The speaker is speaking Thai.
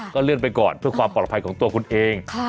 เลื่อนไปก่อนเพื่อความปลอดภัยของตัวคุณเอง